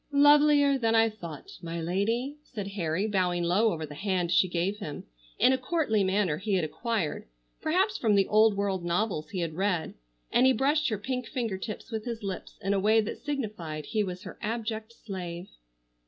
"Lovelier than I thought, my lady," said Harry, bowing low over the hand she gave him, in a courtly manner he had acquired, perhaps from the old world novels he had read, and he brushed her pink finger tips with his lips in a way that signified he was her abject slave.